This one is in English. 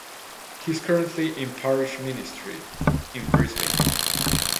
He is currently in parish ministry in Brisbane.